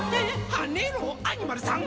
「はねろアニマルさん！」